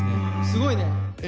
すごいね。